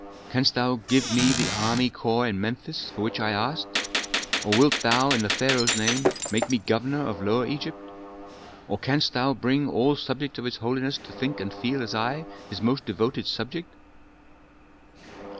Canst thou give me the army corps in Memphis, for which I asked, or wilt thou, in the pharaoh's name, make me governor of Lower Egypt? Or canst thou bring all subjects of his holiness to think and feel as I, his most devoted subject?"